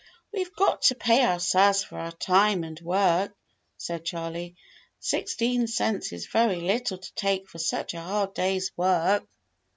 "We have got to pay ourselves for our time and work," said Charley. "Sixteen cents is very little to take for such a hard day's work."